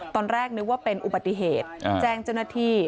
ตอนแรกนึกว่าเป็นอุบัติเหตุแจ้งเจ้าหน้าที่